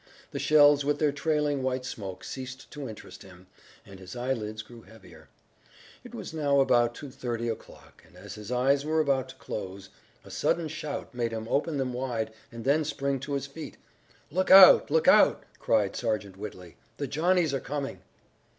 The shells with their trailing white smoke ceased to interest him, and his eyelids grew heavier. It was now about 2:30 o'clock and as his eyes were about to close a sudden shout made him open them wide and then spring to his feet. "Look out! Look out!" cried Sergeant Whitley, "The Johnnies are coming!"